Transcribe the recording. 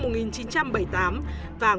và nguyễn văn hợi